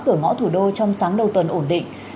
cửa ngõ thủ đô trong sáng đầu tuần ổn định